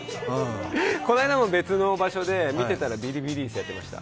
この間も別の場所で見てたらビリビリ椅子やってました。